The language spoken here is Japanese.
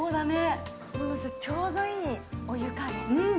ちょうどいいお湯加減。